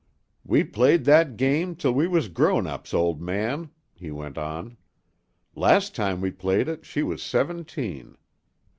"We played that game till we was grown ups, old man," he went on. "Last time we played it she was seventeen.